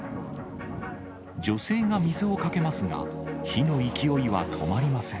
女性が水をかけますが、火の勢いは止まりません。